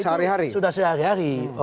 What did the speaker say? berdebat itu sudah sehari hari